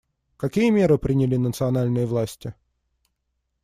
Какие меры приняли национальные власти?